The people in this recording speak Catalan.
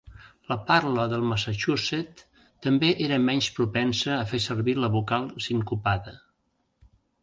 La parla del Massachusett també era menys propensa a fer servir la vocal sincopada.